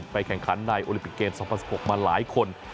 แข่งขันในโอลิปิกเกม๒๐๑๖มาหลายคน